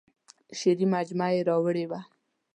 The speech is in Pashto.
شعري مجموعه یې راوړې وه.